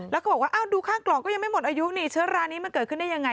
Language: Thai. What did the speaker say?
แล้วก็บอกว่าดูข้างกล่องก็ยังไม่หมดอายุนี่เชื้อรานี้มันเกิดขึ้นได้ยังไง